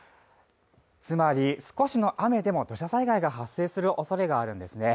つまり、少しの雨でも土砂災害が発生するおそれがあるんですね。